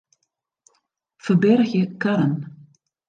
Ferbergje karren.